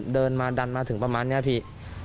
เดินมาดันมาถึงประมาณนี้พี่